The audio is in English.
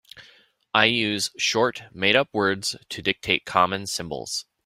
I use short made-up words to dictate common symbols.